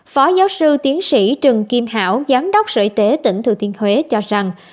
phó giáo sư tiến sĩ trần kim hảo giám đốc sở y tế tỉnh thừa thiên huế cho rằng